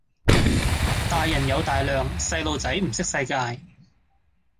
大人有大量，細路仔唔識世界